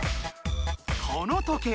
この時計